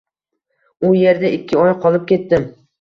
U erda ikki oy qolib ketdim